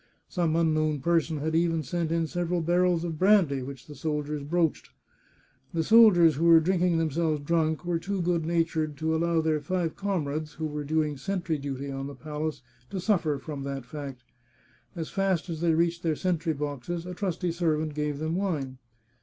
Some unknown person had even sent in several barrels of brandy, which the soldiers broached. The soldiers who were drinking themselves drunk were too good natured to allow their five comrades, who were doing sentry duty on the palace, to suffer from that fact. As fast as they reached their sentry boxes a trusty servant gave them wine.